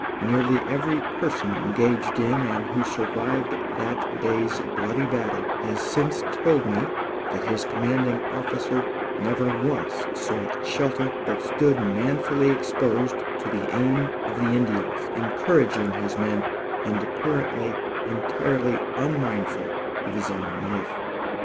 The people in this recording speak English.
Nearly every person engaged in and who survived that day's bloody battle has since told me that his commanding officer never once sought shelter, but stood manfully exposed to the aim of the Indians, encouraging his men and apparently entirely unmindful of his own life.